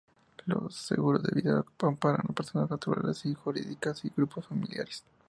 Los seguros de vida amparan a personas naturales o jurídicas, y grupos familiares.